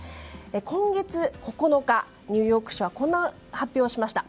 今月９日、ニューヨーク市はこんな発表をしました。